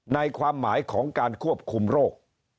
ความหมายของการควบคุมโรค